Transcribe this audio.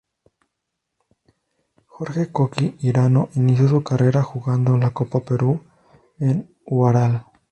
Jorge "Koki" Hirano inició su carrera jugando la Copa Perú en Huaral.